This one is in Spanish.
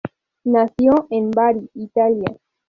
Nació en Bari, Italia.